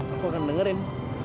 aku akan dengerin